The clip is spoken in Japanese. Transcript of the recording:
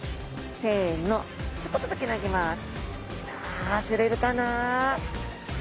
さあ釣れるかな。